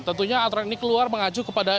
tentunya aturan ini keluar mengacu kepada